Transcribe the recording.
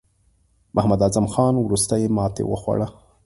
محمد اعظم خان وروستۍ ماته وخوړه.